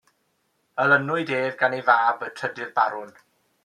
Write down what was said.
Olynwyd ef gan ei fab, y trydydd Barwn.